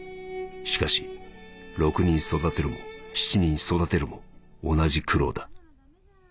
しかし六人育てるも七人育てるも同じ苦労だ』。